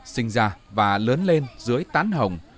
sinh ra và lớn lên dưới tán hồng